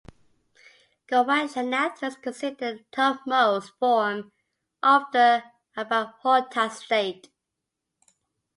Gorakshanath is considered the topmost form of the avadhuta-state.